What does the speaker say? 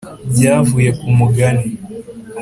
byavuye ku mugani